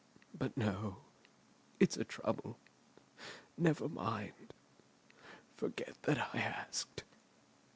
But no; it's a trouble. Never mind—forget that I asked."